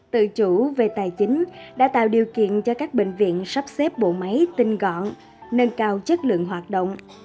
tự chủ về tài chính đã tạo điều kiện cho các bệnh viện sắp xếp bộ máy tinh gọn nâng cao chất lượng hoạt động